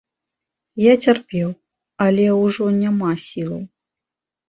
Я цярпеў, але ужо няма сілаў.